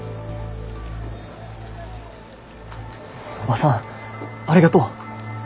叔母さんありがとう。